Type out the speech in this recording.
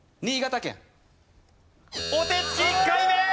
お手つき１回目！